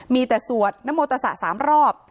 มีแต่สวดนโมตสะ๓รอบ